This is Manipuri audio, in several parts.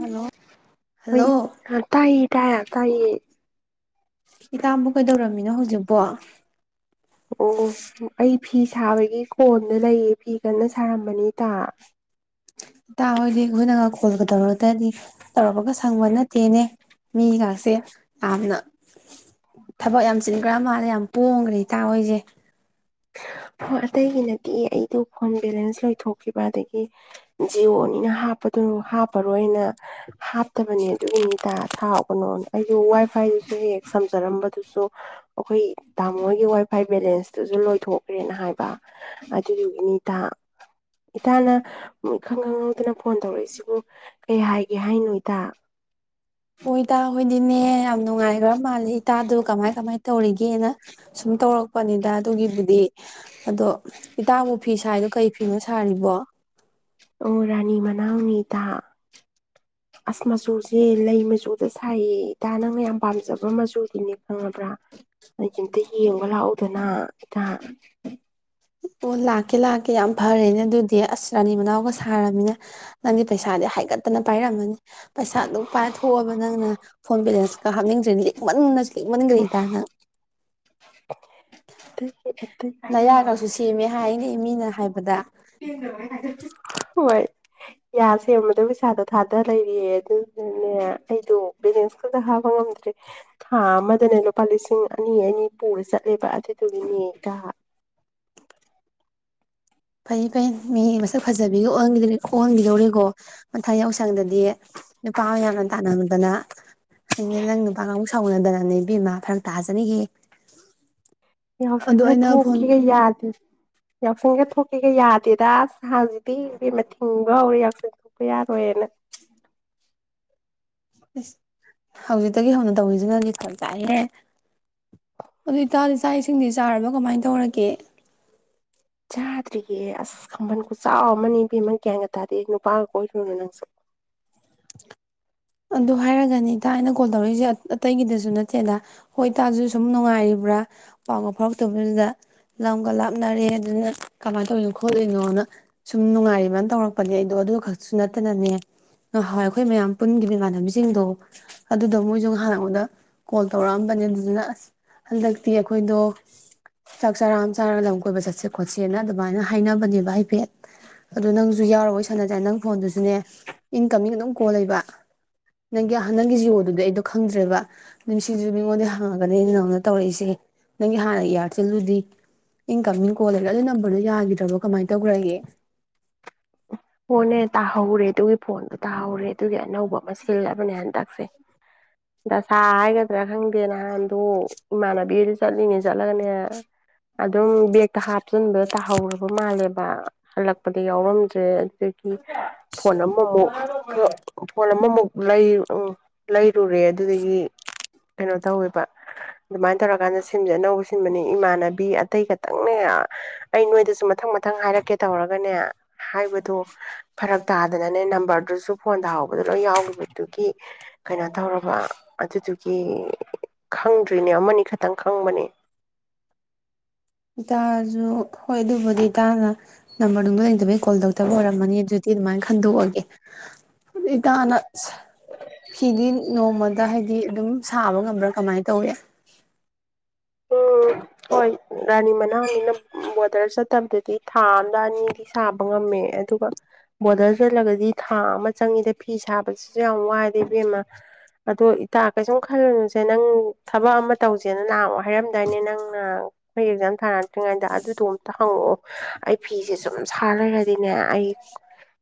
ꯍꯜꯂꯣ ꯍꯜꯂꯣ ꯏꯇꯥꯕꯨ ꯀꯩꯗꯧꯔꯝꯃꯤꯅꯣ ꯍꯧꯖꯤꯛꯄꯣ꯫ ꯑꯣ ꯑꯩ ꯐꯤ ꯁꯥꯕꯒꯤ ꯀꯣꯟꯗ ꯂꯩꯌꯦ ꯐꯤ ꯀꯟꯅ ꯁꯥꯔꯝꯕꯅꯤ ꯏꯇꯥ ꯏꯇꯥ ꯍꯣꯏꯗꯤ ꯑꯩꯈꯣꯏꯅꯒ ꯀꯣꯜꯒ ꯇꯧꯔꯒꯗꯤ ꯇꯧꯔꯛꯄꯒ ꯁꯪꯕ ꯅꯠꯇꯦꯅꯦ ꯃꯤꯒꯁꯦ ꯌꯥꯝꯅ [unintelligible] ꯊꯕꯛ ꯌꯥꯝ ꯆꯤꯟꯒ꯭ꯔ ꯃꯥꯜꯂꯦ ꯌꯥꯝ ꯄꯣꯡꯒ꯭ꯔꯦ ꯏꯇꯥꯥ ꯍꯣꯏꯖꯦ꯫ ꯍꯣ ꯑꯇꯩꯒꯤꯅ [unintelligible] ꯑꯩꯗꯨ ꯐꯣꯟ ꯕꯦꯂꯦꯟꯁ ꯂꯣꯏꯊꯣꯛꯈꯤꯕ ꯑꯗꯒꯤ꯫ ꯖꯤꯑꯣꯅꯤꯅ ꯍꯥꯞ [unintelligible] ꯍꯥꯞꯄꯔꯣꯏꯅ ꯍꯥꯞꯇꯕꯅꯦ ꯑꯗꯨꯒꯤꯅꯤ ꯏꯇꯥ ꯁꯥꯎꯒꯅꯣ ꯑꯩꯁꯨ ꯋꯥꯏ ꯐꯥꯏꯁꯨꯅꯦ ꯁꯝ [unintelligible] ꯕꯗꯨꯁꯨ ꯑꯩꯈꯣꯏ ꯇꯥꯃꯣ ꯍꯣꯏꯒꯤ ꯋꯥꯏ ꯐꯥꯏ ꯕꯦꯂꯦꯟꯁꯇꯨꯁꯨ ꯂꯣꯏꯊꯣꯛꯈ꯭ꯔꯦꯅ ꯍꯥꯏꯕ ꯑꯗꯨꯒꯤꯅꯤ ꯏꯇꯥ꯫ ꯏꯇꯥꯅ ꯏꯈꯪ ꯈꯪꯍꯧꯗꯅ ꯐꯣꯟ ꯇꯧꯔꯛꯏꯁꯤꯕꯨ ꯀꯩ ꯍꯥꯏꯒꯦ ꯍꯥꯏꯅꯣ ꯏꯇꯥ꯫ ꯏꯇꯥ ꯍꯣꯏꯗꯤꯅꯦ ꯌꯥꯝ ꯅꯨꯡꯉꯥꯏꯒ꯭ꯔ ꯃꯥꯜꯂꯤ꯫ ꯏꯇꯥꯗꯣ ꯀꯃꯥꯏ ꯀꯃꯥꯏ ꯇꯧꯔꯤꯒꯦꯅ ꯁꯨꯝ ꯇꯧꯔꯛꯄꯅꯤꯗ ꯑꯗꯨꯒꯤꯕꯨꯗꯤ ꯑꯗꯣ ꯏꯇꯥꯕꯨ ꯐꯤ ꯁꯥꯥꯏꯗꯣ ꯀꯩ ꯐꯤꯅꯣ ꯁꯥꯔꯤꯕꯣ꯫ ꯑꯣ ꯔꯥꯅꯤ [unintelligible] ꯑꯁ ꯃꯆꯨꯁꯤ ꯂꯩ ꯃꯆꯨꯗ ꯁꯥꯏꯌꯦ ꯏꯇꯥ ꯅꯪꯅ ꯌꯥꯝ ꯄꯥꯝꯖꯕ ꯃꯆꯨ ꯅꯦ ꯈꯪꯉꯕ꯭ꯔꯥ [unintelligible] ꯑꯝꯇ ꯌꯦꯡꯕ ꯂꯥꯛꯎꯗꯅ꯫ ꯏꯇꯥ꯫ ꯑꯣ ꯂꯥꯛꯀꯦ ꯂꯥꯛꯀꯦ ꯌꯥꯝ ꯐꯔꯦꯅꯦ ꯑꯗꯨꯗꯤ ꯑꯁ ꯔꯥꯅꯤ ꯃꯅꯥꯎꯒ ꯁꯥꯔꯝꯃꯤꯅ ꯅꯪꯗꯤ ꯄꯩꯁꯥꯗꯤ ꯍꯥꯏꯒꯠꯇꯅ ꯄꯥꯏꯔꯝꯃꯅꯤ ꯄꯩꯁꯥꯗꯨꯛ ꯄꯥꯏꯊꯣꯛꯑꯕ ꯅꯪꯅ ꯐꯣꯟ ꯕꯦꯂꯦꯟꯁꯀ ꯍꯥꯞꯅꯤꯡꯗ꯭ꯔꯤ ꯂꯤꯛꯃꯟꯅꯁꯨ ꯂꯤꯛꯃꯟꯒ꯭ꯔꯦꯗ ꯏꯇꯥ ꯅꯪ꯫ [unintelligible] ꯅꯌꯥꯒꯁꯨ ꯁꯦꯝꯃꯦ ꯍꯥꯏꯅꯦ ꯃꯤꯅ ꯍꯥꯏꯕꯗ [unintelligible] ꯍꯣꯏ ꯌꯥ ꯁꯦꯝꯕꯗ ꯄꯩꯁꯥꯗꯣ ꯊꯥꯗ ꯂꯩꯔꯦ ꯑꯗꯨꯅꯅꯦ ꯑꯩꯗꯣ꯫ ꯕꯦꯂꯦꯟꯁꯀꯗ ꯍꯥꯄ ꯉꯝꯗ꯭ꯔꯦ꯫ ꯊꯥ ꯑꯃꯗꯅꯦ ꯂꯨꯄꯥ ꯂꯤꯁꯤꯡ ꯑꯅꯤ ꯑꯅꯤ꯫ ꯄꯨꯔ ꯆꯠꯂꯦꯕ ꯑꯗꯨꯗꯨꯒꯤꯅꯦꯗ ꯐꯩ ꯐꯩ ꯃꯤ ꯃꯁꯛ ꯐꯖꯕꯤꯒ ꯑꯣꯟ ꯑꯣꯟꯒꯤꯗꯧꯔꯦꯀꯣ ꯃꯊꯪ ꯌꯥꯎꯁꯪꯗꯗꯤ ꯅꯨꯄꯥ ꯌꯥꯝꯅ ꯇꯥꯟꯅꯗꯅ ꯑꯩꯅ ꯅꯪ ꯅꯨꯄꯥ ꯉꯕꯨ ꯁꯥꯎꯅꯗꯅꯅꯦ ꯏꯕꯤꯝꯃ ꯐꯔꯛ ꯇꯥꯖꯅꯤꯍꯦ ꯑꯗꯣ ꯌꯥꯎꯁꯪꯒ ꯑꯩꯅ ꯐꯣꯟ ꯊꯣꯛꯀꯦ ꯌꯥꯗꯦ ꯌꯥꯎꯁꯪꯒ ꯊꯣꯛꯀꯦꯒ ꯌꯥꯗꯦꯗ ꯑꯁ ꯍꯖꯤꯗꯤ ꯏꯕꯦꯝꯃ ꯊꯤꯡꯕ ꯍꯧꯔꯦ ꯌꯥꯎꯁꯪ ꯊꯣꯛꯄ ꯌꯥꯔꯣꯏꯅ ꯑꯁ ꯍꯧꯖꯤꯛꯇꯒꯤ ꯍꯧꯅ ꯇꯧꯔꯤꯁꯤꯅꯗꯤ [unintelligible] [unintelligible] ꯑꯗꯨ ꯏꯇꯥꯗꯤ ꯆꯥꯛ ꯏꯁꯤꯡꯗꯤ ꯆꯥꯔꯕ ꯀꯃꯥꯏ ꯇꯧꯔꯒꯦ ꯆꯥꯗ꯭ꯔꯤꯌꯦ ꯑꯁ ꯈꯝꯕꯟ ꯈꯨꯆꯥꯎ ꯑꯃꯅꯤ ꯏꯕꯦꯝꯃ ꯒ꯭ꯌꯥꯟꯒ ꯇꯥꯗꯦ ꯅꯨꯄꯥꯒ ꯀꯣꯏꯔꯨꯅꯨ ꯅꯪꯁꯨ ꯑꯗꯨ ꯍꯥꯏꯔꯒꯅꯤ ꯏꯇꯥ ꯀꯣꯜ ꯇꯧꯔꯛꯏꯁꯦ ꯑꯇꯩꯒꯤꯗꯁꯨ ꯅꯠꯇꯦꯗ ꯍꯣꯏ ꯇꯥꯁꯨ ꯁꯨꯝ ꯅꯨꯡꯉꯥꯏꯔꯤꯕ꯭ꯔꯥ ꯄꯥꯎꯒ ꯐꯥꯎꯔꯛꯇꯕꯗꯨꯗ ꯂꯝꯒ ꯂꯥꯞꯅꯔꯦ ꯑꯗꯨꯅ ꯀꯃꯥꯏꯅ ꯇꯧꯔꯤꯅꯣ ꯈꯣꯠꯂꯤꯅꯣꯅ ꯁꯨꯝ ꯅꯨꯡꯉꯥꯏꯔꯤꯕꯅ ꯇꯧꯔꯛꯄꯅꯦ ꯑꯩꯗꯣ ꯑꯗꯨ ꯈꯛꯁꯨ ꯅꯠꯇꯅꯅꯦ ꯉꯍꯥꯟꯋꯥꯏ ꯑꯩꯈꯣꯏ ꯃꯌꯥꯝ ꯄꯨꯟꯒꯤ ꯏꯃꯥꯟꯅꯕꯤꯁꯤꯡꯗꯣ ꯑꯗꯨꯗꯣ ꯃꯣꯏꯁꯨ ꯉꯥꯍꯟ ꯑꯩꯉꯣꯟꯗ ꯀꯣꯜ ꯇꯧꯔꯛꯑꯝꯕ ꯑꯗꯨꯅ ꯑꯁ ꯍꯟꯗꯛꯇꯤ ꯑꯩꯈꯣꯏꯗꯣ ꯆꯥꯛ ꯆꯔꯥ ꯑꯃ ꯆꯥꯔꯒ ꯂꯝ ꯀꯣꯏꯕ ꯆꯠꯁꯦ ꯈꯣꯠꯁꯦꯅ ꯑꯗꯨꯃꯥꯏꯅ ꯍꯥꯏꯅꯕꯅꯦꯕ ꯍꯥꯏꯐꯦꯠ ꯑꯗꯣ ꯅꯪꯁꯨ ꯌꯥꯎꯔ ꯋꯥꯔꯤ ꯁꯥꯟꯅꯁꯦ ꯅꯪ ꯐꯣꯟꯗꯨꯁꯨꯅꯦ ꯏꯟꯀꯃꯤꯡ ꯑꯗꯨꯝ ꯀꯣꯜ ꯂꯩꯕ ꯅꯪꯒꯤ ꯅꯪꯒꯤ ꯖꯤꯑꯣ ꯗꯨꯗꯤ ꯑꯩꯗꯣ ꯈꯪꯗ꯭ꯔꯦꯕ ꯅꯨꯡꯁꯤꯖꯨ ꯃꯤꯉꯣꯟꯗꯩ ꯐꯪꯉꯒꯅꯤ ꯑꯩꯅ ꯅꯪꯉꯣꯟꯗ ꯇꯧꯔꯛꯏꯁꯦ ꯅꯪꯒꯤ ꯍꯥꯟꯅ ꯏꯌꯥꯔꯇꯦꯜꯗꯨꯗꯤ ꯏꯟꯀꯃꯤꯡ ꯀꯣꯜ ꯂꯩꯔꯦ ꯑꯗꯨ ꯅꯝꯕꯔꯗꯨꯣ ꯌꯥꯒꯤꯗ꯭ꯔꯕꯣ ꯀꯃꯥꯏ ꯇꯧꯒ꯭ꯔꯒꯦ ꯐꯣꯟꯅꯦ ꯇꯥꯍꯧꯔꯦ ꯑꯗꯨꯒꯤ ꯐꯣꯟꯗꯣ ꯇꯥꯍꯧꯔꯦ ꯑꯗꯨꯒꯤ ꯑꯅꯧꯕ ꯃ ꯁꯤꯜꯂꯕꯅꯦ ꯍꯟꯇꯛꯁꯦ ꯗꯁꯥ ꯍꯥꯏꯒꯗ꯭ꯔꯥ ꯈꯪꯗꯦ ꯅꯍꯥꯟꯗꯣ ꯏꯃꯥꯟꯅꯕꯤꯗ ꯆꯠꯂꯤꯉꯩ ꯆꯠꯂꯒꯅꯦ ꯑꯗꯨꯝ ꯕꯦꯛꯇ ꯍꯥꯞꯆꯤꯟꯕ ꯇꯥꯍꯧꯔꯕ ꯃꯥꯜꯂꯦꯕ ꯍꯜꯂꯛꯄꯗꯤ ꯌꯥꯎꯔꯝꯗ꯭ꯔꯦ ꯑꯗꯨꯗꯒꯤ ꯐꯣꯟ ꯑꯃꯃꯨꯛ ꯐꯣꯟ ꯑꯃꯃꯨꯛ ꯎ ꯂꯩꯔꯨꯔꯦ ꯑꯗꯨꯗꯒꯤ ꯀꯩꯅꯣ ꯇꯧꯋꯦꯕ ꯑꯗꯨꯃꯥꯏꯅ ꯇꯧꯔꯀꯥꯟꯗ ꯁꯤꯝꯁꯦ ꯑꯅꯧꯕ ꯁꯤꯟꯕꯅꯦ ꯏꯃꯥꯟꯅꯕꯤ ꯑꯇꯩ ꯈꯛꯇꯪꯅꯦ ꯑꯩ ꯅꯣꯏꯗꯁꯨ ꯃꯊꯪ ꯃꯊꯪ ꯍꯥꯏꯔꯛꯀꯦ ꯇꯧꯔꯒꯅꯦ ꯑ ꯍꯥꯏꯕꯗꯣ ꯐꯔꯛ ꯇꯥꯗꯅꯅꯦ ꯅꯝꯕꯔꯗꯨꯁꯨ ꯐꯣꯟ ꯇꯥꯍꯧꯕꯗ ꯂꯣꯏ ꯌꯥꯎꯔꯤꯕꯗꯨꯒꯤ ꯀꯩꯅꯣ ꯇꯧꯔꯕ ꯑꯗꯨꯗꯨꯒꯤ ꯈꯪꯗ꯭ꯔꯤꯅꯦ ꯑꯃꯅꯤ ꯈꯛꯇꯪ ꯈꯪꯕꯅꯦ ꯏꯇꯥꯖꯨ ꯍꯣꯏ ꯑꯗꯨꯕꯨꯗꯤ ꯏꯇꯥꯅ ꯅꯝꯕꯔꯗꯨꯅꯨꯡꯗꯣ ꯂꯩꯇꯕꯩ ꯀꯣꯜ ꯇꯧꯗꯕ ꯑꯣꯏꯔꯝꯃꯅꯤ ꯑꯗꯨꯗꯤ ꯑꯗꯨꯃꯥꯏꯅ ꯈꯟꯗꯣꯛꯑꯒꯦ ꯏꯇꯥꯅ ꯐꯤꯗꯤ ꯅꯣꯡꯃꯗ ꯍꯥꯏꯗꯤ ꯑꯗꯨꯝ ꯁꯥꯕ ꯉꯝꯕ꯭ꯔꯥ ꯀꯃꯥꯏꯅ ꯇꯧꯏ ꯎꯝ ꯍꯣꯏ ꯔꯥꯅꯤ [unintelligible] [unintelligible] ꯊꯥ ꯑꯝꯗ ꯑꯅꯤꯗꯤ ꯁꯥꯕ ꯉꯝꯃꯦ ꯑꯗꯨꯒ ꯕꯣꯔꯗꯔ ꯆꯜꯂꯒꯗꯤ ꯊꯥ ꯑꯃ ꯆꯪꯉꯤꯗ ꯐꯤ ꯁꯥꯕꯁꯤꯁꯨ ꯌꯥꯝ ꯋꯥꯏꯗꯦ ꯏꯕꯦꯝꯃ ꯑꯗꯣ ꯏꯇꯥꯥ ꯀꯩꯁꯨꯝ ꯈꯜꯂꯨꯅꯨꯁꯦ ꯅꯪ ꯊꯕꯛ ꯑꯃ ꯇꯧꯁꯦꯅ ꯅꯍꯥꯋꯥꯏ [unintelligible] ꯗꯥꯏꯅꯦ ꯅꯪꯅ ꯑꯦꯛꯖꯝ [unintelligible] [unintelligible] ꯉꯩꯗ ꯑꯗꯨꯗꯣ ꯑꯝꯇ ꯍꯪꯉꯛꯑꯣ ꯑꯩ ꯐꯤꯁꯦ ꯁꯨꯝ ꯁꯥꯔ ꯂꯩꯔꯗꯤꯅꯦ ꯑꯩ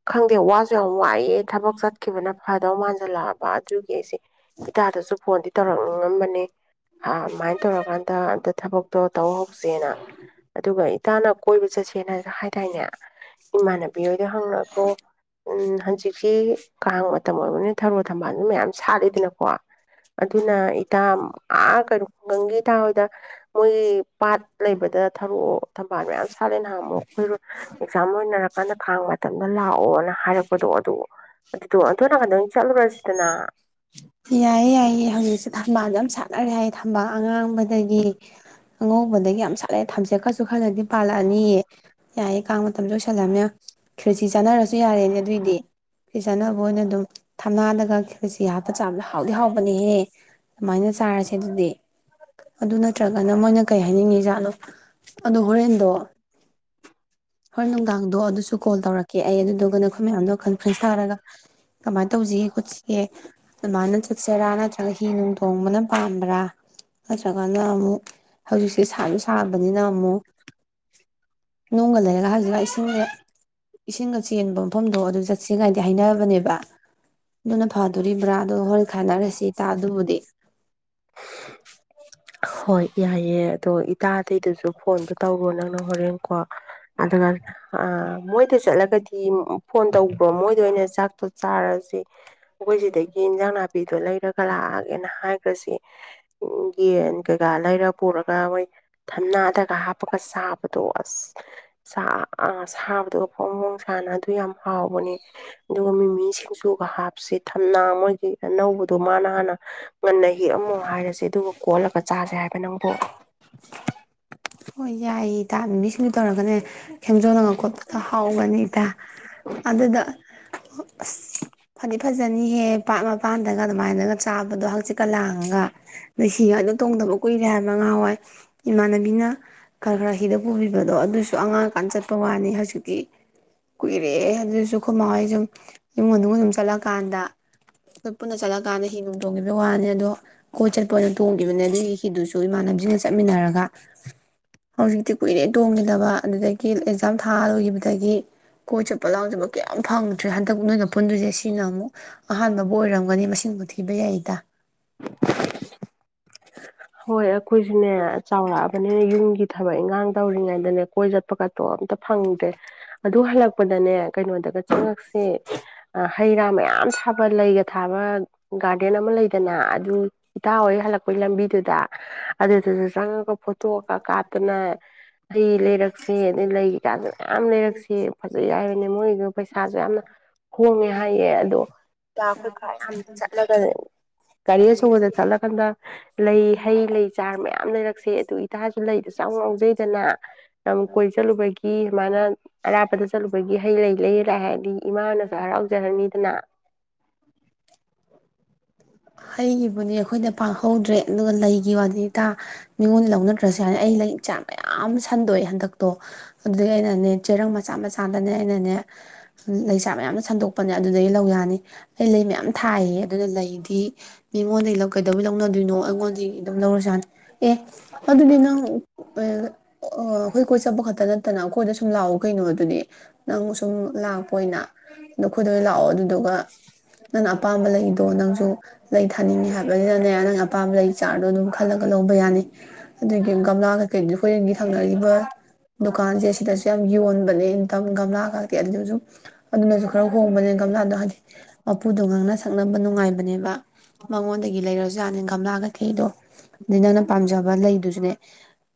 ꯈꯪꯗꯦ ꯋꯥ ꯋꯥꯏꯑꯦ ꯊꯕꯛ ꯆꯠꯈꯤꯕꯅ ꯐꯗꯧ ꯃꯥꯥꯟ [unintelligible] ꯑꯗꯨꯒꯤ ꯑꯩꯁꯦ ꯏꯇꯥꯗꯁꯨ ꯐꯣꯟꯗꯤ ꯇꯧꯔꯛꯅꯤꯡꯉꯝꯕꯅꯦ [unintelligible] ꯇꯧꯔꯀꯥꯟꯗ ꯑꯝꯇ ꯊꯕꯛꯇꯣ ꯇꯧꯍꯧꯁꯦꯅ ꯑꯗꯨꯒ ꯏꯇꯥꯅ ꯀꯣꯏꯕ ꯆꯠꯁꯦꯅꯁꯨ ꯍꯥꯏꯗꯥꯏꯅꯦ ꯏꯃꯥꯟꯅꯕꯤ ꯍꯣꯏꯗ ꯍꯪꯅꯒꯣ ꯎꯝ ꯍꯧꯖꯤꯛꯀꯤ ꯀꯥꯡ ꯃꯇꯝ ꯑꯣꯏꯕꯅꯤꯅ ꯊꯔꯣ ꯊꯝꯕꯥꯜꯁꯨ ꯃꯌꯥꯝ ꯁꯥꯠꯂꯤꯗꯅꯀꯣ ꯑꯗꯨꯅ ꯏꯇꯥ ꯑ ꯀꯩꯅꯣ [unintelligible] ꯃꯣꯏꯒꯤ ꯄꯥꯠ ꯂꯩꯕꯗ ꯊꯔꯣ ꯊꯝꯕꯥꯜ ꯃꯌꯥꯝ ꯁꯥꯠꯂꯦ ꯅꯍꯥꯟꯃꯨꯛ ꯑꯈꯣꯏ ꯑꯦꯛꯖꯥꯝ ꯂꯣꯏꯅꯔꯀꯥꯟꯗ ꯀꯥꯡ ꯃꯇꯝꯗ ꯂꯥꯛꯑꯣꯅ ꯍꯥꯏꯔꯛꯄꯗꯣ ꯑꯗꯨ ꯑꯗꯨꯗꯣ [unintelligible] ꯆꯠꯂꯨꯔꯁꯤꯗꯅ ꯌꯥꯏꯌꯦ ꯌꯥꯏꯌꯦ ꯍꯧꯖꯤꯛꯁꯦ ꯊꯝꯕꯥꯜ ꯌꯥꯝ ꯁꯥꯠꯅꯔꯦ ꯍꯥꯏꯌꯦ ꯃꯥ ꯑꯉꯥꯡꯕꯗꯒꯤ ꯑꯉꯧꯕꯗꯒꯤ ꯌꯥꯝ ꯁꯥꯠꯂꯦ ꯊꯝꯆꯦꯠꯀꯥꯁꯨ ꯈꯔꯂꯩꯔꯗꯤ ꯄꯥꯜꯂꯛꯑꯅꯤꯌꯦ [unintelligible] ꯀꯥꯡ ꯃꯇꯝ ꯂꯣꯏꯁꯜꯂꯛ [unintelligible] ꯈꯦꯆꯤ ꯆꯥꯅꯔꯁꯨ ꯌꯥꯔꯦꯅꯦ ꯑꯗꯨꯏꯗꯤ ꯈꯦꯆꯤ ꯆꯥꯟꯅꯕ ꯑꯣꯏꯅ ꯑꯗꯨꯝ ꯊꯝꯅꯥꯗꯒ ꯈꯦꯆꯤ ꯍꯥꯞ ꯆꯥꯕꯗ ꯍꯥꯎꯗꯤ ꯍꯥꯎꯕꯅꯦꯍꯦ ꯑꯗꯨꯃꯥꯏꯅ ꯆꯥꯔꯁꯦ ꯑꯗꯨꯗꯤ ꯑꯗꯨ ꯅꯠꯇ꯭ꯔꯒꯅ ꯃꯣꯏꯅ ꯀꯩ ꯍꯥꯏꯅꯤꯡꯉꯤ ꯖꯥꯠꯅꯣ ꯑꯗꯣ ꯍꯣꯔꯦꯟꯗꯣ ꯍꯣꯏ ꯅꯨꯡꯗꯥꯡꯗꯣ ꯑꯗꯨꯁꯨ ꯀꯣꯜ ꯇꯧꯔꯛꯀꯦ ꯑꯩ ꯑꯗꯨꯗꯨꯒ ꯅꯈꯣꯏ ꯃꯌꯥꯝꯗꯣ ꯀꯟꯐ꯭ꯔꯦꯟꯁ ꯊꯥꯔꯒ ꯀꯃꯥꯏꯅ ꯇꯧꯁꯤꯒꯦ ꯈꯣꯠꯁꯤꯒꯦ ꯑꯗꯨꯃꯥꯏꯅ ꯆꯠꯁꯤꯔꯥ ꯅꯠꯇ꯭ꯔꯒ ꯍꯤ ꯅꯨꯡ ꯇꯣꯡꯕꯅ ꯄꯥꯝꯕ꯭ꯔꯥ ꯅꯠꯇ꯭ꯔꯒꯅ ꯑꯃꯨꯛ ꯍꯧꯖꯤꯛꯁꯦ ꯁꯥꯁꯨ ꯁꯥꯕꯅꯤꯅ ꯑꯃꯨꯛ [unintelligible] ꯅꯨꯡꯒ ꯂꯩꯔꯒ [unintelligible] ꯏꯁꯤꯡꯒ ꯏꯁꯤꯡꯒ ꯆꯦꯟꯕ ꯃꯐꯝꯗꯣ ꯑꯗꯨ ꯆꯠꯁꯤꯒꯥꯏꯗꯤ ꯍꯥꯏꯔꯕꯅꯦꯕ ꯑꯗꯨꯅ ꯐꯗꯣꯔꯤꯕ꯭ꯔꯥ ꯍꯣꯏ ꯈꯟꯅꯔꯁꯤ ꯏꯇꯥ ꯑꯗꯨꯕꯨꯗꯤ ꯍꯣꯏ ꯌꯥꯏꯑꯦ ꯑꯗꯣ ꯏꯇꯥ ꯑꯗꯩꯗꯨꯁꯨ ꯐꯣꯟꯗꯣ ꯇꯧꯔꯣ ꯅꯪꯅ ꯍꯣꯔꯦꯟꯀꯣ ꯑꯗꯨꯒ ꯑ ꯃꯣꯏꯗ ꯆꯠꯂꯒꯗꯤ ꯐꯣꯟ ꯇꯧꯕ꯭ꯔꯣ ꯃꯣꯏꯗ ꯑꯣꯏꯅ ꯆꯥꯛꯇꯣ ꯆꯥꯔꯁꯤ ꯑꯈꯣꯏ ꯁꯤꯗꯒꯤ ꯏꯟꯖꯥꯡ ꯅꯥꯄꯤꯗꯣ ꯂꯩꯔꯒ ꯂꯥꯛꯑꯒꯦꯅ ꯍꯥꯏ ꯈꯁꯤ ꯌꯦꯟ ꯀꯩꯀꯥ ꯂꯩꯔ ꯄꯨꯔꯒ ꯃꯣꯏ ꯊꯝꯅꯥꯗꯒ ꯍꯥꯞꯄꯒ ꯆꯥꯕꯗꯣ ꯑꯁ ꯁꯥ ꯁꯥꯕꯗꯨꯒ ꯐꯣꯡ ꯐꯣꯡ ꯁꯥꯅ ꯑꯗꯨ ꯌꯥꯝ ꯍꯥꯎꯕꯅꯦ ꯑꯗꯨꯒ ꯃꯤꯃꯤ ꯁꯤꯡꯖꯨꯒ ꯍꯥꯞꯄꯁꯦ ꯊꯝꯅꯥ ꯃꯣꯏ ꯑꯅꯧꯕꯗꯣ ꯃꯥꯅ ꯍꯥꯟꯅ ꯉꯟꯅ ꯑꯃꯨꯛ ꯍꯥꯏꯔꯁꯦ ꯑꯗꯨꯒ ꯀꯣꯠꯂꯒ ꯆꯥꯁꯦ ꯍꯥꯏꯕ ꯅꯪꯕꯨ ꯍꯣꯏ ꯌꯥꯏꯌꯦ ꯏꯇꯥ ꯃꯤꯃꯤ ꯁꯤꯡ ꯖꯨ ꯇꯧꯔꯒꯅꯦ ꯈꯦꯝꯖꯣꯡꯅꯒ ꯈꯣꯠꯄꯗ ꯍꯥꯎꯕꯅꯤ ꯏꯇ ꯑꯗꯨꯗ ꯑꯁ ꯐꯗꯤ ꯐꯖꯅꯤꯍꯦ ꯄꯥꯠ ꯃꯄꯥꯟꯗꯒ ꯑꯗꯨꯃꯥꯏꯅꯒ ꯆꯥꯕꯗꯣ ꯍꯪꯆꯤꯠ ꯀ ꯂꯥꯡꯑꯥꯒ ꯅꯣꯏꯁꯤꯒ [unintelligible] ꯗꯨ ꯇꯣꯡꯗꯕ ꯀꯨꯏꯔꯦ ꯍꯥꯏꯕ ꯉꯍꯋꯥꯏ ꯏꯃꯥꯟꯅꯕꯤꯅ ꯈꯔ ꯈꯔ ꯍꯤꯗ ꯄꯨꯕꯤꯕꯗꯣ ꯑꯗꯨꯁꯨ ꯑꯉꯥꯡꯀꯥꯟ ꯆꯠꯄ ꯋꯥꯅꯤ ꯍꯧꯖꯤꯛꯇꯤ ꯀꯨꯏꯔꯦ ꯑꯗꯨꯁꯨ ꯈꯨꯃꯥ ꯌꯨꯝ [unintelligible] [inaudible] ꯆꯠꯂꯀꯥꯟꯗ ꯑꯩꯈꯣꯏ ꯄꯨꯟꯅ ꯆꯠꯂꯀꯥꯟꯗ ꯍꯤ ꯅꯨꯡ ꯇꯣꯡꯈꯤꯕꯒꯤ ꯋꯥꯅꯤ ꯑꯗꯣ ꯀꯣꯏ ꯆꯠꯄ ꯑꯣꯏꯅ ꯇꯣꯡꯈꯤꯕꯅꯦ ꯑꯗꯨꯒꯤ ꯍꯤꯗꯨꯁꯨ ꯏꯃꯥꯟꯅꯅꯕꯁꯤꯡꯒ ꯆꯠꯃꯤꯟꯅꯔꯒ ꯍꯧꯖꯤꯛꯇꯤ ꯀꯨꯏꯔꯦ ꯇꯣꯡꯈꯤꯗꯕ ꯑꯗꯨꯗꯒꯤ ꯑꯦꯛꯖꯥꯝ ꯊꯥ ꯂꯣꯏꯈꯤꯕꯗꯒꯤ ꯀꯣꯏꯆꯠ [unintelligible] ꯀꯌꯥꯝ ꯐꯪꯗ꯭ꯔꯦ ꯍꯟꯗꯛ ꯅꯣꯏꯅ ꯄꯨꯟꯗꯣꯏꯁꯦ ꯁꯤ ꯁꯤꯅ ꯑꯃꯨꯛ ꯑꯍꯥꯟꯕꯕꯨ ꯑꯣꯏꯔꯝꯒꯅꯤ ꯃꯁꯤꯡꯕꯨ ꯊꯤꯕ ꯌꯥꯏ ꯏꯇꯥ [inaudible] ꯍꯣꯏ ꯑꯩꯈꯣꯏꯁꯤꯅꯦ ꯆꯥꯎꯔꯛꯑꯕꯅꯤꯅ ꯌꯨꯝꯒꯤ ꯊꯕꯛ ꯏꯟꯈꯥꯡ ꯇꯧꯔꯤꯉꯩꯗꯅꯦ ꯀꯣꯏ ꯆꯠ [inaudible] ꯇꯣ ꯑꯝꯇ ꯐꯪꯗ꯭ꯔꯦ ꯑꯗꯨ ꯍꯜꯂꯛꯄꯗꯅꯦ ꯀꯩꯅꯣꯗꯒ ꯆꯪꯉꯛꯁꯤ ꯍꯩ ꯔꯥ ꯃꯌꯥꯝ ꯊꯥꯕ ꯂꯩꯒ ꯊꯥꯕ ꯒꯥꯔꯗꯦꯟ ꯑꯃ ꯂꯩꯗꯅ ꯑꯗꯨ ꯏꯇꯥ ꯍꯣꯌ ꯍꯜꯂꯛꯄꯒꯤ ꯂꯝꯕꯤ [inaudible] ꯑꯗꯨꯗꯥꯖꯨ ꯆꯡꯉꯥꯒꯥ ꯐꯣꯇꯣ ꯀ ꯀꯥꯞ ꯇꯅ ꯍꯩ ꯑꯩ ꯂꯩꯔꯛꯁꯦ ꯑꯗꯩ ꯂꯩ ꯀꯩꯀꯥꯁꯨ ꯃꯌꯥꯝ ꯂꯩꯔꯛꯁꯦ ꯌꯥꯏꯔꯅꯦ ꯃꯣꯏꯗ ꯄꯩꯁꯥꯁꯨ ꯌꯥꯝꯅ ꯍꫭꯡꯉꯦ ꯍꯥꯏꯌꯦ ꯑꯗꯣ ꯆꯠꯂꯥꯒ ꯒꯥꯔꯤ ꯑꯆꯧꯕꯗ ꯆꯠꯂꯒꯅ ꯂꯩ꯫ ꯍꯩ ꯂꯩ ꯆꯥꯔ ꯃꯌꯥꯝ ꯂꯩꯔꯛꯁꯦ ꯑꯗꯨ ꯏꯇꯥꯖꯨ ꯂꯩꯗꯣ ꯆꯥꯎ ꯉꯥꯎꯖꯩꯗꯅ ꯂꯝꯀꯣꯏ ꯆꯠꯂꯨꯕꯒꯤ ꯃꯥ ꯅ ꯑꯔꯥꯞꯄꯗ ꯆꯠꯂꯨꯕꯒꯤ ꯍꯩ ꯂꯩ ꯂꯩꯔ ꯂꯥꯛ ꯑꯦ ꯍꯥꯏꯔꯗꯤ ꯏꯃꯥꯅꯖꯨ ꯍꯔꯥꯎꯖꯔꯅꯤꯗꯅ꯫ ꯍꯩꯒꯤꯕꯨꯅꯤ ꯑꯩꯈꯣꯏꯗ ꯄꯥꯛ ꯍꯧꯗ꯭ꯔꯦ ꯑꯗꯨꯒ ꯂꯩ ꯗꯤꯋꯥꯂꯤꯗ ꯃꯤꯉꯣꯟꯗꯩ ꯂꯧꯅꯗ꯭ꯔꯁꯨ ꯌꯥꯅꯤ ꯑꯩ ꯂꯩ ꯆꯝ ꯃꯌꯥꯝ ꯁꯟꯗꯣꯛꯑꯦ ꯍꯟꯗꯛ꯫ ꯇꯣ ꯑꯗꯨꯗꯩ ꯑꯩꯅꯅꯦ ꯆꯦꯔꯪ ꯃꯆꯥ ꯃꯆꯥꯗꯅꯦ ꯑꯩꯅꯅꯦ ꯂꯩꯁꯥ ꯃꯌꯥꯝ ꯁꯟꯗꯣꯛ ꯄꯅꯦ ꯑꯗꯨꯗꯒꯤ ꯂꯧ ꯌꯥꯅꯤ꯫ ꯑꯩ ꯂꯩ ꯃꯌꯥꯝ ꯊꯥꯏꯌꯦ ꯑꯗꯨꯅ ꯂꯩꯗꯤ ꯃꯤꯉꯣꯟꯗꯒꯤ ꯂꯧ ꯀꯩꯗꯧ ꯂꯧꯅꯗꯣꯏꯅꯣ ꯑꯩꯉꯣꯟꯗꯒꯤ ꯑꯗꯨꯝ ꯂꯧꯔꯁꯨ ꯌꯥꯅꯤ꯫ ꯑꯦ ꯑꯗꯨꯗꯤ ꯅꯪ [unintelligible] ꯑꯣ ꯑꯩꯈꯣꯏ ꯀꯣꯏ ꯆꯠꯄ ꯈꯛꯇ ꯅꯠꯇꯅ ꯑꯩꯈꯣꯏꯗ ꯁꯨꯝ ꯂꯥꯛꯑꯣ ꯀꯩꯅꯣ꯫ ꯑꯗꯨꯅꯦ ꯅꯪ ꯁꯨꯝ ꯂꯥꯛꯄ ꯑꯣꯏꯅ ꯅꯈꯣꯏꯗꯣ ꯂꯥꯛꯑꯣ ꯑꯗꯨꯗꯨꯒ ꯅꯪꯅ ꯑꯄꯥꯝꯕ ꯂꯩꯗꯣ ꯅꯪꯖꯨ ꯂꯩ ꯊꯥꯅꯤꯡꯉꯤ ꯍꯥꯏꯕꯅꯤꯅꯅꯦ ꯅꯪꯒꯤ ꯑꯄꯥꯝꯕ ꯂꯩ ꯆꯥꯔꯗꯣ ꯑꯗꯨꯝ ꯈꯜꯂꯒ ꯂꯧꯕ ꯌꯥꯅꯤ꯫ ꯑꯗꯒꯤ ꯒꯝꯂꯥꯒ ꯀꯩꯅꯣ ꯍꯨꯔꯦꯟꯒꯤ ꯊꯪꯅꯔꯤꯕ ꯗꯨꯀꯥꯟꯁꯦ ꯁꯤꯗꯁꯨ ꯌꯥꯝ ꯌꯣꯟꯕꯅꯦ ꯏꯒꯝ ꯒꯝꯂꯥ ꯀꯩꯀ ꯑꯗꯨꯗꯖꯨꯝ ꯑꯗꯨꯅꯖꯨ ꯈꯔ ꯍꯣꯡꯕꯅꯦ ꯒꯝꯂꯥꯗꯣ ꯍꯥꯏꯗꯤ ꯃꯄꯨꯗꯣ ꯉꯥꯡꯅ ꯁꯛꯅꯕ ꯅꯨꯡꯉꯥꯏꯕꯅꯦꯕ꯫ ꯃꯉꯣꯟꯗꯒꯤ ꯂꯩꯔꯖꯨ ꯌꯥꯅꯤ ꯒꯝꯂꯥ ꯀꯩꯀꯩꯗꯣ ꯑꯗꯩ ꯅꯪꯅ ꯄꯥꯝꯖꯕ ꯂꯩꯗꯨꯁꯨ ꯅꯦ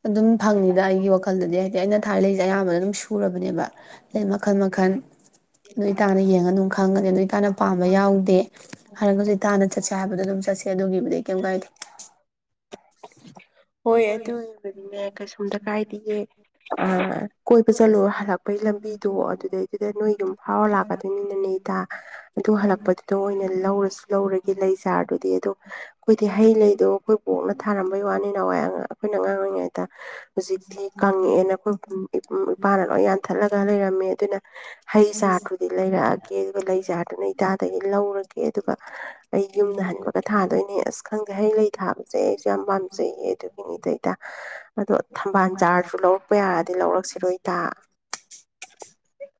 ꯑꯗꯨꯝ ꯐꯪꯅꯤꯗ ꯑꯩꯒꯤ ꯋꯥꯈꯜꯗꯗꯤ ꯍꯥꯏꯗꯤ ꯑꯩꯅ ꯊꯥꯔ ꯂꯩꯖꯦ ꯑꯌꯥꯝꯕꯅ ꯑꯗꯨꯝ ꯁꯨꯔꯕꯅꯦꯕ ꯑꯗꯩ ꯃꯈꯟ ꯃꯈꯟ ꯑꯗꯨ ꯏꯇꯥꯅ ꯌꯦꯡꯉ ꯑꯗꯨꯝ ꯈꯪꯉꯅꯤ ꯑꯗꯨ ꯏꯇꯥꯅ ꯄꯥꯝꯕ ꯌꯥꯎꯗꯦ ꯍꯥꯏꯔꯒꯖꯨ ꯏꯇꯥꯅ ꯆꯠꯁꯦ ꯍꯥꯏꯕꯗꯣ ꯑꯗꯨꯝ ꯆꯠꯁꯦ ꯑꯗꯨꯒꯤꯗꯤ꯫ ꯀꯦꯝ ꯀꯥꯏꯗꯦ꯫ ꯍꯣꯏ ꯑꯗꯨꯒꯤꯕꯨꯗꯤꯅꯦ ꯀꯩꯁꯣꯝꯇ ꯀꯥꯏꯗꯤꯌꯦ꯫ [unintelligible] ꯀꯣꯏꯕ ꯆꯠꯂꯣ ꯍꯜꯂꯛꯄꯒꯤ ꯂꯝꯕꯤꯗꯣ ꯑꯗꯨꯗꯩꯗꯨꯗ ꯅꯣꯏ ꯌꯨꯝ ꯐꯥꯎꯔ ꯂꯥꯛꯀꯗꯣꯏꯅꯤꯗꯅ ꯏꯇꯥ ꯑꯗꯨ ꯍꯜꯂꯛꯄꯗꯨꯗ ꯑꯣꯏꯅ ꯂꯧꯔꯖꯨ ꯂꯧꯔꯒꯦ ꯂꯩ ꯆꯥꯔꯗꯣ꯫ ꯗꯤ ꯗꯣ ꯑꯩꯈꯣꯏꯗꯤ ꯍꯩ ꯂꯩꯗꯣ ꯑꯩꯈꯣꯏ ꯕꯣꯛꯅ ꯊꯥꯔꯝꯕꯩ ꯋꯥꯅꯤ ꯅ ꯍꯧꯖꯤꯛꯇꯤ ꯀꯪꯉꯛꯑꯦ ꯊꯠꯂꯒ ꯂꯩꯔꯝꯃꯤ ꯑꯗꯨꯅ ꯍꯩ ꯆꯥꯔꯈꯨ ꯂꯩꯔꯛꯑ [unintelligible] ꯑꯗꯨꯒ ꯂꯩ ꯖꯥꯔꯗꯨꯅ ꯏꯇꯥꯗꯒꯤ ꯂꯧꯔꯒꯦ ꯑꯗꯨꯒ ꯑꯩ ꯌꯨꯝꯗ ꯍꯟꯕꯒ ꯊꯥꯗꯣꯏꯅꯦ ꯑꯁ ꯈꯪꯗꯦ ꯍꯩ ꯂꯩ ꯊꯥꯕꯁꯦ ꯌꯥꯝ ꯄꯥꯝꯖꯩꯌꯦ ꯑꯗꯨꯒꯤꯅꯤꯗ ꯐꯇꯥ ꯑꯗꯣ ꯊꯝꯕꯥꯜ ꯆꯥꯔꯁꯨ ꯂꯧ ꯄ ꯌꯥꯔꯗꯤ ꯂꯧꯔꯛꯁꯤꯔꯣ ꯏ ꯇꯥ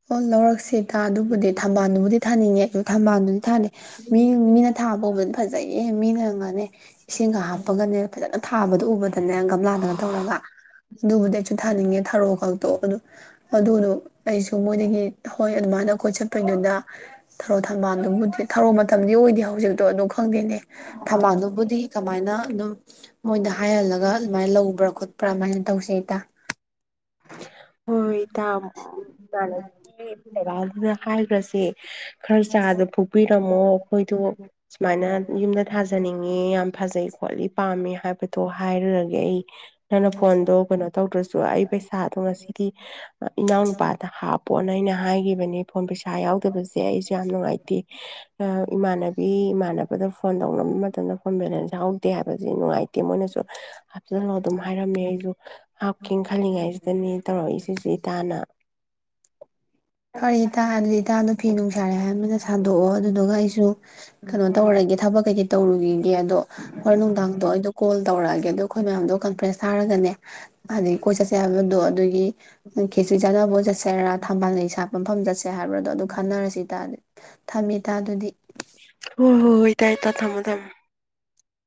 ꯑꯣ ꯂꯧꯔꯛꯁꯤ [unintelligible] ꯑꯗꯨꯕꯨꯗꯤ ꯊꯝꯕꯥꯜꯗꯨꯕꯨꯗꯤ ꯊꯥꯅꯤꯡꯉꯦ ꯊꯝꯕꯥꯜꯗꯨꯗꯤ ꯊꯥꯅꯤ ꯃꯤ ꯃꯤꯅ ꯊꯥꯕ ꯎꯕꯗꯤ ꯐꯖꯩꯌꯦ ꯃꯤꯅꯪꯉꯅꯤ ꯏꯁꯤꯡꯒ ꯍꯥꯞꯄꯒꯅꯦ ꯐꯖꯅ ꯊꯥꯕꯗꯣ ꯎꯕꯗꯅꯦ ꯒꯝꯂꯥꯗꯒ ꯇꯧꯔꯒ ꯑꯗꯨꯕꯨꯗꯤ ꯑꯩꯁꯨ ꯊꯥꯅꯤꯡꯉꯦ ꯊꯔꯣ ꯈꯛ [unintelligible] ꯑꯗꯨꯅꯨ ꯑꯩꯁꯨ ꯑꯗꯨ ꯃꯣꯏꯗꯒꯤ ꯍꯣꯏ ꯑꯗꯨꯃꯥꯏꯅ ꯀꯣꯏ ꯆꯠꯄꯩꯗꯨꯅ ꯊꯔꯣ ꯊꯝꯕꯥꯜꯗꯨꯕꯨꯗꯤ ꯊꯔꯣ ꯃꯇꯝꯗꯤ ꯑꯣꯏꯗꯦ ꯍꯧꯖꯤꯛꯇꯣ ꯑꯗꯨ ꯈꯪꯗꯦꯅꯦ ꯊꯝꯃꯜꯅꯨꯕꯨꯗꯤ ꯀꯃꯥꯏꯅ ꯑꯗꯨꯝ ꯃꯣꯏꯗ ꯍꯥꯏꯍꯜꯂꯒ ꯑꯗꯨꯃꯥꯏꯅ ꯂꯧꯕ꯭ꯔꯥ ꯈꯣꯠꯄ꯭ꯔꯥ ꯑꯗꯨꯃꯥꯏꯅ ꯇꯧꯁꯦ ꯏꯇꯥ [unintelligible] ꯏꯇꯥ ꯏꯃꯥꯟꯅꯕꯤꯒꯤ ꯂꯩꯕꯗꯨꯗ ꯍꯥꯏꯒ꯭ꯔꯁꯦ ꯈꯔ ꯆꯥꯗ ꯐꯨꯛꯄꯤꯔꯝꯃꯣ ꯑꯩꯈꯣꯏꯗꯣ ꯁꯨꯃꯥꯏꯅ ꯌꯨꯝꯗ ꯊꯥꯖꯅꯤꯡꯉꯦ ꯌꯥꯝ ꯐꯖꯩ ꯈꯣꯠꯂꯤ ꯄꯥꯝꯃꯦ ꯍꯥꯏꯕꯗꯣ ꯍꯥꯏꯔꯨꯔꯒꯦ ꯑꯩ ꯅꯪꯅ ꯐꯣꯟꯗꯣ ꯀꯩꯅꯣ ꯇꯧꯗ꯭ꯔꯁꯨ ꯑꯩ ꯄꯩꯁꯥ ꯉꯁꯤꯗꯤ ꯏꯅꯥꯎꯅꯨꯄꯥꯗ ꯍꯥꯞꯄꯣꯅ ꯑꯩꯅ ꯍꯥꯏꯈꯤꯕꯅꯦ ꯐꯣꯟ ꯄꯩꯁꯥ ꯌꯥꯎꯗꯕꯁꯦ ꯑꯩꯁꯨ ꯌꯥꯝ ꯅꯨꯡꯉꯥꯏꯇꯦ ꯏꯃꯥꯟꯅꯕꯤ ꯏꯃꯥꯟꯅꯕꯗ ꯐꯣꯟ ꯇꯧꯅꯕ ꯃꯇꯝꯗ ꯐꯣꯟ ꯕꯦꯂꯦꯟꯁ ꯌꯥꯎꯗꯦ ꯍꯥꯏꯕꯁꯤ ꯅꯨꯡꯉꯥꯏꯇꯦ ꯃꯣꯏꯅꯁꯨ ꯍꯥꯞꯆꯤꯜꯂꯣ ꯑꯗꯨꯝ ꯍꯥꯏꯔꯝꯃꯦ ꯑꯩꯁꯨ ꯍꯥꯞꯀꯦꯅ ꯈꯜꯂꯤꯉꯩ ꯅꯦ ꯇꯧꯔꯛꯏꯁꯤꯁꯨ ꯏꯇꯥꯅ ꯐꯔꯤ ꯏꯇꯥ ꯑꯗꯨꯗꯤ ꯏꯇꯥꯗꯣ ꯐꯤ ꯅꯨꯡꯁꯥꯔꯦ ꯍꯥꯏꯕꯅ ꯁꯥꯗꯣꯛꯑꯣ ꯑꯗꯨꯗꯨꯒ ꯑꯩꯁꯨ ꯀꯩꯅꯣ ꯇꯧꯔꯒꯦ ꯊꯕꯛ ꯀꯩꯀꯩ ꯇꯧꯔꯨꯒꯤꯒꯦ ꯑꯗꯣ ꯍꯣꯔꯦꯟ ꯅꯨꯡꯗꯥꯡꯗꯤ ꯑꯩꯗꯣ ꯀꯣꯜ ꯇꯧꯔꯛꯑꯒꯦ ꯑꯗꯣ ꯑꯩꯈꯣꯏ ꯃꯌꯥꯝꯗꯣ ꯀꯟꯐ꯭ꯔꯦꯟꯁ ꯊꯥꯔꯒꯅꯦ ꯑꯗꯒꯤ ꯀꯣꯏ ꯆꯠꯁꯦ ꯍꯥꯏꯕꯗꯣ ꯑꯗꯨꯒꯤ ꯈꯦꯆꯤ ꯆꯥꯟꯅꯕ ꯆꯠꯁꯦꯔꯥ ꯊꯝꯕꯥꯜ ꯂꯩ [unintelligible] ꯃꯐꯝ ꯆꯠꯁꯦ ꯍꯥꯏꯕ꯭ꯔꯗꯣ ꯑꯗꯨ ꯈꯟꯅꯔꯁꯦ ꯏꯇꯥ ꯊꯝꯃꯤ ꯍꯣꯍꯣꯍꯣꯏ ꯏꯇꯥ ꯏꯇꯥ ꯊꯝꯃꯣ ꯊꯝꯃꯣ